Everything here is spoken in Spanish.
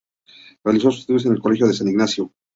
Realizó sus estudios en el Colegio San Ignacio.